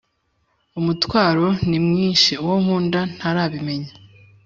umutwaro nimwinshi uwo nkunda ntarabimenya